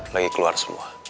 lagi keluar semua